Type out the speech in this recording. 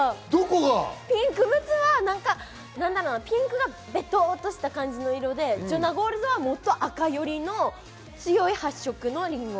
ピンクむつはピンクがベトっとした感じの色で、ジョナゴールドはもっと赤よりの強い発色のりんご。